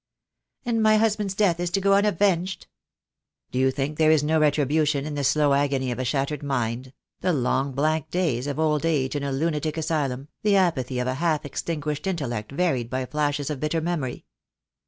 "And my husband's death is to go unavenged?" "Do you think there is no retribution in the slow agony of a shattered mind — the long blank days of old age in a lunatic asylum, the apathy of a half extinguished intellect varied by flashes of bitter memory.